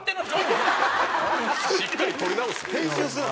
しっかり撮り直すな。